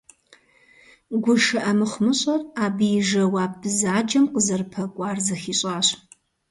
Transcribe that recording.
ГушыӀэ мыхъумыщӀэр, абы и жэуап бзаджэм къызэрыпэкӀуар зыхищӀащ.